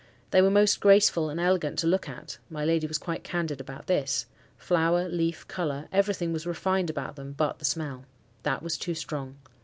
They were most graceful and elegant to look at (my lady was quite candid about this), flower, leaf, colour—everything was refined about them but the smell. That was too strong.